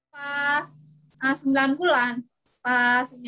pas sembilan bulan pas ini aja